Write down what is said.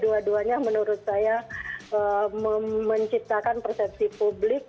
dua duanya menurut saya menciptakan persepsi publik